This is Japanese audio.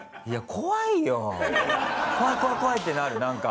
「怖い怖い怖い！」ってなるなんか。